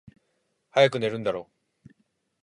早く寝るんだろ？